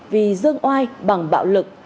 vì dương oai bằng bạo lực